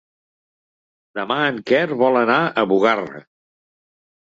Demà en Quer vol anar a Bugarra.